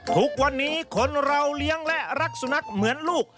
ทุกวันนี้คนเราเลี้ยงและรักสุนัขเหมือนลูก